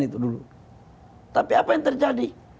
itu dulu tapi apa yang terjadi